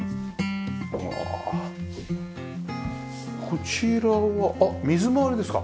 こちらはあっ水回りですか？